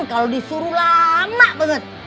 kalo disuruh lama banget